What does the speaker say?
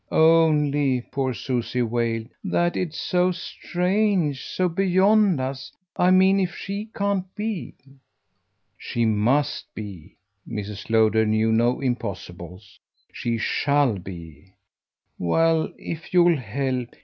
"Only," poor Susie wailed, "that it's so strange, so beyond us. I mean if she can't be." "She must be." Mrs. Lowder knew no impossibles. "She SHALL be." "Well if you'll help.